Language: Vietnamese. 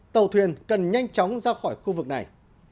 tàu thuyền cần nhanh chóng ra khỏi khu vực này